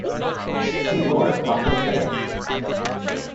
See more at Coffin Affair.